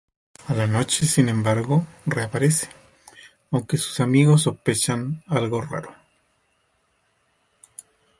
A la noche, sim embargo, reaparece, aunque sus amigos sospechan algo raro.